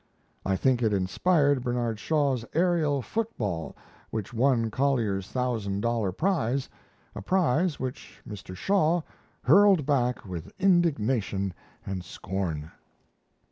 I think it inspired Bernard Shaw's Aerial Foot ball which won Collier's thousand dollar prize a prize which Mr Shaw hurled back with indignation and scorn!